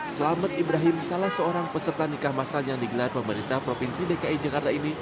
selamat ibrahim salah seorang peserta nikah masal yang digelar pemerintah provinsi dki jakarta ini